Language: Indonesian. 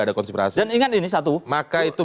ada konspirasi dan ingat ini satu maka itu